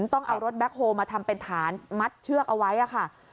ต้องเอารถแบ็คโฮลมาทำเป็นฐานมัดเชือกเอาไว้ค่ะ